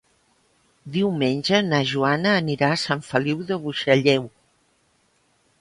Diumenge na Joana anirà a Sant Feliu de Buixalleu.